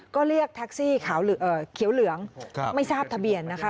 ก็เรียกแท็กซี่เขียวเหลืองไม่ทราบทะเบียนนะคะ